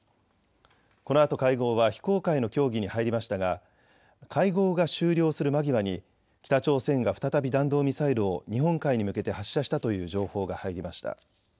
このあと会合は非公開の協議に入りましたが会合が終了する間際に北朝鮮が再び弾道ミサイルを日本海に向けて発射したという情報が入りました。